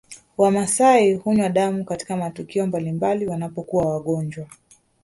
Wamaasai hunywa damu katika matukio mbalimbali wanapokuwa wagonjwa